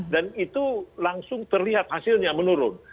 itu langsung terlihat hasilnya menurun